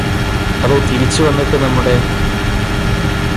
അതോ തിരിച്ച് വന്നിട്ട് നമ്മുടെ